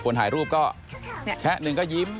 ถ่ายรูปก็แชะหนึ่งก็ยิ้ม